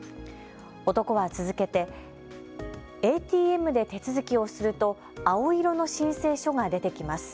男は続けてＡＴＭで手続きをすると青色の申請書が出てきます。